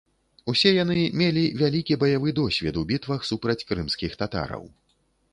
Усе яны мелі вялікі баявы досвед у бітвах супраць крымскіх татараў.